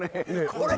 これ。